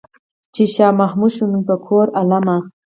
چې شاه محمود شو نن په کور عالمه.